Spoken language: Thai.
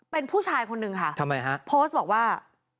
เป็นผู้ชายคนนึงค่ะทำไมฮะโพสต์บอกว่า